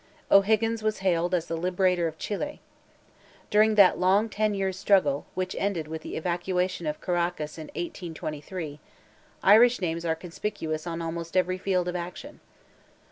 O'Higgins was hailed as the Liberator of Chili. During that long ten years' struggle, which ended with the evacuation of Carraccas in 1823, Irish names are conspicuous on almost every field of action.